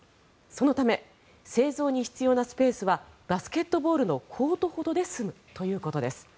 そのため製造に必要なスペースはバスケットボールのコートほどで済むということです。